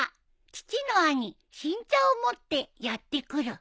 「父の兄新茶を持ってやって来る」